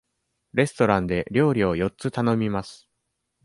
レストランで料理を四つ頼みます。